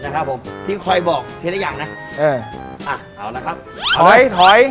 นะครับผมที่คอยบอกทีละอย่างนะเอออ่ะเอาละครับถอยถอย